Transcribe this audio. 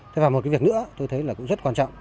thế và một cái việc nữa tôi thấy là cũng rất quan trọng